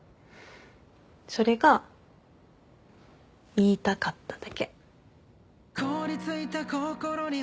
それが言いたかっただけ。